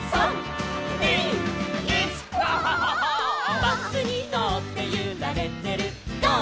「バスにのってゆられてるゴー！